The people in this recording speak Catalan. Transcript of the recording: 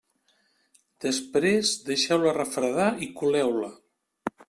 Després deixeu-la refredar i coleu-la.